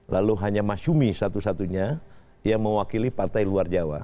lalu hanya masyumi satu satunya yang mewakili partai luar jawa